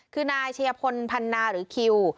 คือนายชัยพลพันนาหรือคิว